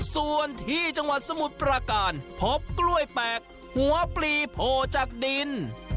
ส่วนที่จังหวัดสมุทรปราการพบกล้วยแปลกหัวปลีโผล่จากดิน